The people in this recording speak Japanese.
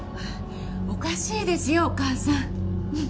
おかしいですよお義母さん。